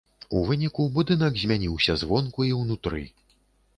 У выніку будынак змяніўся звонку і ўнутры.